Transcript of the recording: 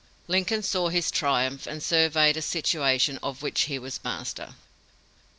Lincoln saw his triumph and surveyed a situation of which he was master."